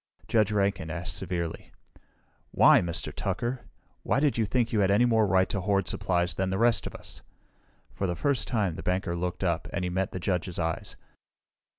Judge Rankin asked severely, "Why, Mr. Tucker? Why did you think you had any more right to hoard supplies than the rest of us?" For the first time the banker looked up, and he met the judge's eyes.